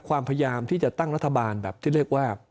ความพยายามที่จะตั้งรัฐบาลแบบที่เรียกว่า